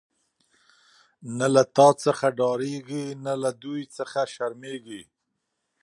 نه له تا څخه ډاریږی، نه له دوی څخه شرمیږی